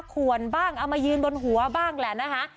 ขวนบ้างเอามายืนบนหัวบ้างแหละนะคะ